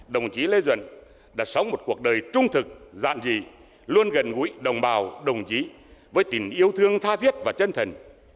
đồng chí lê duẩn đã sống một cuộc đời trung thực giản dị luôn gần gũi đồng bào đồng chí với tình yêu thương tha thiết và chân thần